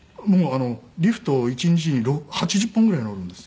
リフト１日に８０本ぐらい乗るんです。